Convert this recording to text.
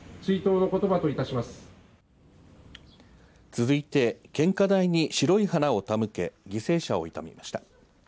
続いて献花台に白い花を手向け犠牲者を悼みました。